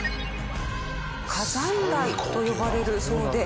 火山雷と呼ばれるそうで。